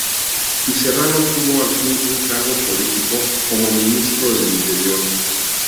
Y Serrano obtuvo al fin un cargo político como ministro del Interior.